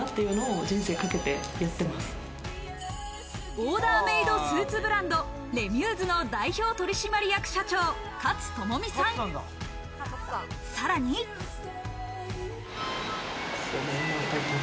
オーダーメードスーツブランドＲｅ．ｍｕｓｅの代表取締役社長、勝友美さん。